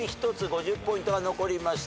５０ポイントが残りました。